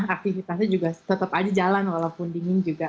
aktivitasnya juga tetap aja jalan walaupun dingin juga